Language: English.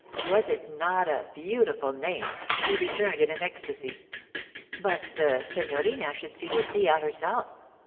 Was it not a beautiful name? he returned in an ecstasy. But the signorina should see Lucia herself!